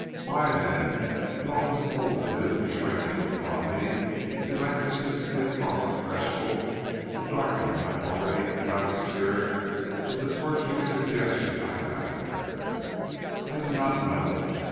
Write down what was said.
Why, then, with all this old and new shrinking upon me did I persistently cross the threshold and darken my already clouded spirit with the torturing suggestions I found there? I do not know.